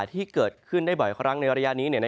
ที่เกิดขึ้นได้บ่อยครั้งในระยะนี้